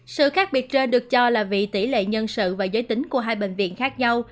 sự khác biệt trên được cho là vì tỷ lệ nhân sự và giới tính của hai bệnh viện khác nhau